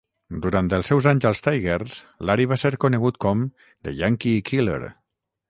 Durant els seus anys als Tigers, Lary va ser conegut com "The Yankee Killer".